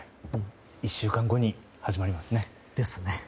１週間後に始まりますね。